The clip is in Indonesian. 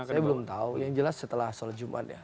saya belum tahu yang jelas setelah sholat jumat ya